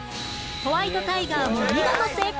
ホワイトタイガーも見事成功！